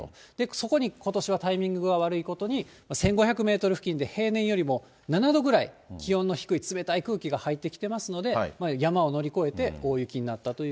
そこにことしはタイミングが悪いことに、１５００メートル付近で、平年よりも７度くらい気温の低い冷たい空気が入ってきてますので、山を乗り越えて大雪になったという。